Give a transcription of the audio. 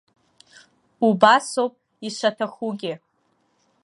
Убасоуп ишаҭахугьы.